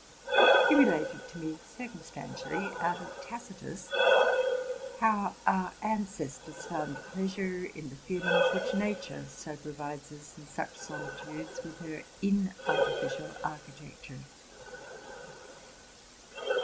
He related to me circumstantially, out of Tacitus, how our ancestors found pleasure in the feelings which Nature so provides for us, in such solitudes, with her inartificial architecture.